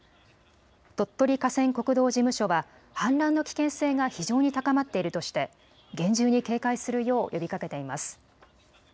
鳥取河川国道事務所は、氾濫の危険性が非常に高まっているとして、厳重に警戒するよう呼びかけています。